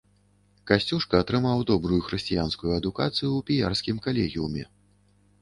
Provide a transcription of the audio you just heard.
Касцюшка атрымаў добрую хрысціянскую адукацыю ў піярскім калегіуме.